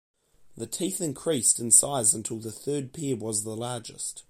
The teeth increased in size until the third pair which was the largest.